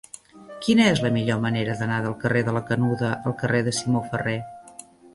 Quina és la millor manera d'anar del carrer de la Canuda al carrer de Simó Ferrer?